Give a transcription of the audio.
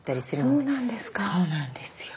そうなんですか。